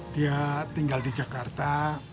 dia tinggal di jakarta